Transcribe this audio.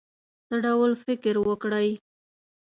څه ډول فکر وکړی.